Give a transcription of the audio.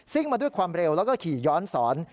มาด้วยความเร็วแล้วก็ขี่ย้อนสอน